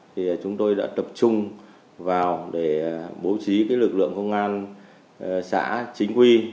thì chúng tôi đã tập trung vào để bố trí lực lượng công an xã chính quy